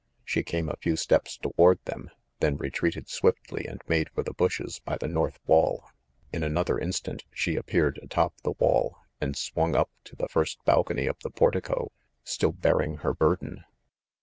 She came a few steps toward them, then retreated swiftly and made for the bushes by the north wall. In another in stant she appeared atop the wall, and swung up to the first balcony of the portico, still bearing her burden.